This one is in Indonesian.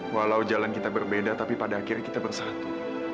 walau jalan kita berbeda tapi pada akhirnya kita bersatu